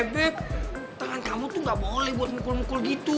bek tangan kamu tuh gak boleh buat mukul mukul gitu